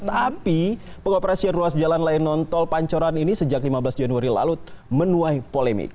tapi pengoperasian ruas jalan layan non tol pancoran ini sejak lima belas januari lalu menuai polemik